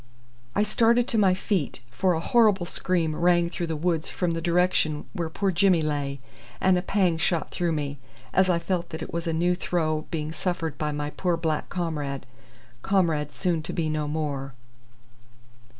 I started to my feet, for a horrible scream rang through the woods from the direction where poor Jimmy lay; and a pang shot through me as I felt that it was a new throe being suffered by my poor black comrade comrade soon to be no more.